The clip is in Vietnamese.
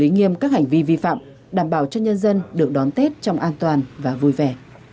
nghiêm các hành vi vi phạm đảm bảo cho nhân dân được đón tết trong an toàn và vui vẻ